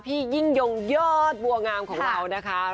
ยิ่งยงยอดบัวงามของเรานะคะ